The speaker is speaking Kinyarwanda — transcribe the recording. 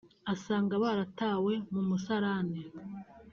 asanga baratawe mu musarani